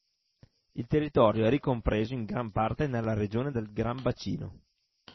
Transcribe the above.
Il territorio è ricompreso in gran parte nella regione del Gran Bacino.